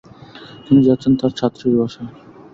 তিনি যাচ্ছেন তাঁর ছাত্রীর বাসায়।